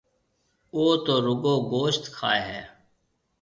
او تو رُگو گوشت کائي هيَ۔